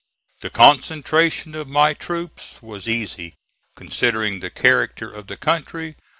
The concentration of my troops was easy, considering the character of the country.